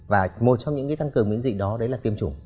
và một trong những cái tăng cường miễn dịch đó đấy là tiêm chủng